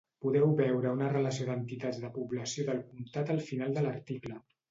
Podeu veure una relació d'entitats de població del comtat al final de l'article.